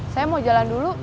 saya mau jalan dulu